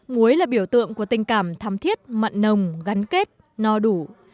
muối là biểu tượng của tình cảm thắm thiết mặn nồng gắn kết no đủ